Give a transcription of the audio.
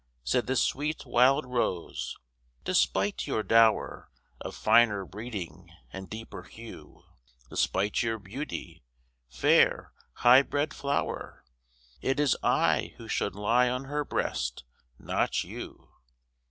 Said the sweet wild rose, "Despite your dower Of finer breeding and deeper hue, Despite your beauty, fair, high bred flower, It is I who should lie on her breast, not you.